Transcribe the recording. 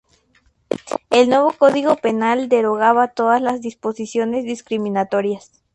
El nuevo Código Penal derogaba todas las disposiciones discriminatorias.